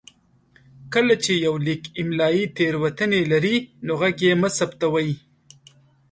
کله چې يو ليک املايي تېروتنې لري نو غږ يې مه ثبتوئ.